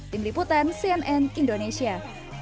tim liputan cnn indonesia